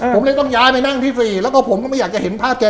ผมเลยต้องย้ายไปนั่งที่ฟรีแล้วก็ผมก็ไม่อยากจะเห็นภาพแก